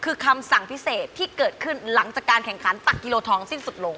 คือคำสั่งพิเศษที่เกิดขึ้นหลังจากการแข่งขันตักกิโลทองสิ้นสุดลง